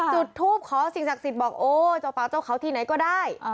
จุดทูปขอสิ่งศักดิ์สิทธิ์บอกโอ้เจ้าป่าเจ้าเขาที่ไหนก็ได้